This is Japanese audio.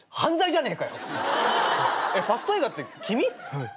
はい。